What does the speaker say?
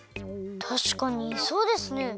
たしかにそうですね。